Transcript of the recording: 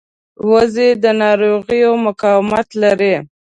وزې د ناروغیو مقاومت لري